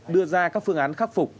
đưa ra các phương án khắc phục